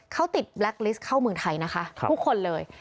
เขาติดแบล็กลิสต์เข้าเมืองไทยนะคะทุกคนเลย